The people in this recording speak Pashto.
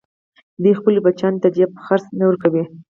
دوی خپلو بچیانو ته د جېب خرڅ نه ورکوي